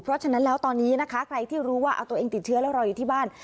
เพราะฉะนั้นแล้วตอนนี้นะคะใครที่รู้ว่าเอาตัวเองติดเชื้อแล้วรออยู่ที่บ้าน